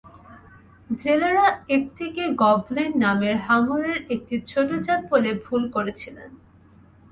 জেলেরা এটিকে গবলিন নামের হাঙরের একটি ছোট জাত বলে ভুল করেছিলেন।